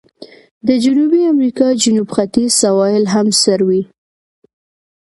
د جنوبي امریکا جنوب ختیځ سواحل هم سړ وي.